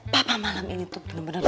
papa malam ini tuh bener bener